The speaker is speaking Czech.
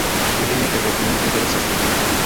V květeně Evropy není tento rod zastoupen.